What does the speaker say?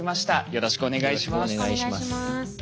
よろしくお願いします。